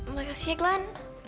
makasih ya klan